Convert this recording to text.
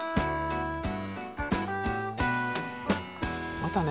またね。